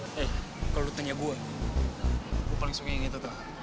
eh kalau lu tanya gue gue paling suka yang itu